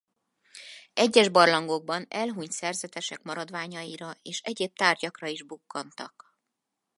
Egyes barlangokban elhunyt szerzetesek maradványaira és egyéb tárgyakra is bukkantak.